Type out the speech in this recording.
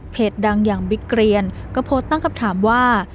ดังอย่างบิ๊กเกรียนก็โพสต์ตั้งคำถามว่า